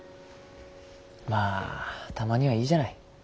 まあたまにはいいじゃない。